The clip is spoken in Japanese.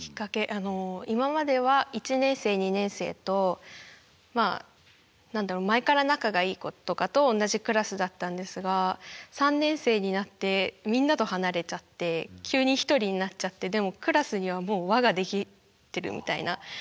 あの今までは１年生２年生とまあ何だろ前から仲がいい子とかと同じクラスだったんですが３年生になってみんなと離れちゃって急に１人になっちゃってでもクラスにはもう輪ができてるみたいな。